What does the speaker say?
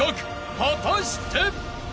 ［果たして］